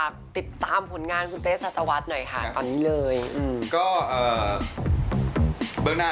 คุณเต๋วจะบอกว่า